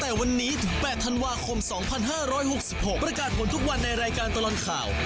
แต่วันนี้ถึง๘ธันวาคม๒๕๖๖ประกาศผลทุกวันในรายการตลอดข่าว